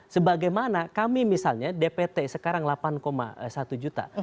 sebagaimana kami misalnya dpt sekarang delapan satu juta